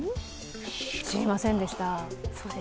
知りませんでした。